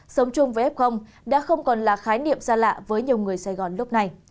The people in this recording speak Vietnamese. sống chung với f đã không còn là khái niệm xa lạ với nhiều người sài gòn lúc này